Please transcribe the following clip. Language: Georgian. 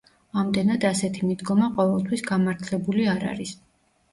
ამდენად ასეთი მიდგომა ყოველთვის გამართლებული არ არის.